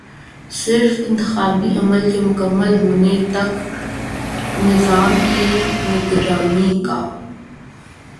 صرف انتخابی عمل کے مکمل ہونے تک نظام کی نگرانی کا